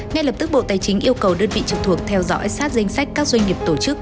ngay lập tức bộ tài chính yêu cầu đơn vị trực thuộc theo dõi sát danh sách các doanh nghiệp tổ chức